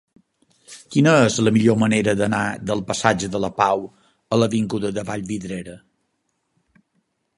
Quina és la millor manera d'anar del passatge de la Pau a l'avinguda de Vallvidrera?